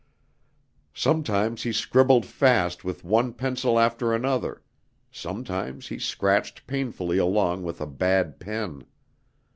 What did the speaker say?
Sometimes he scribbled fast with one pencil after another: sometimes he scratched painfully along with a bad pen.